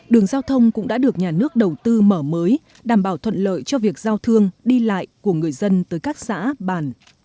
đường giao thông cũng đã được nhà nước đầu tư mở mới đảm bảo thuận lợi cho việc giao thương đi lại của người dân tới các xã bàn